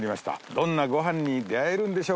どんなご飯に出会えるんでしょうか。